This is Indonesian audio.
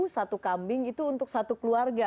satu kambing itu untuk satu keluarga